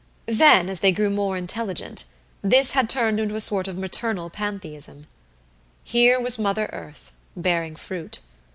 Then, as they grew more intelligent, this had turned into a sort of Maternal Pantheism. Here was Mother Earth, bearing fruit.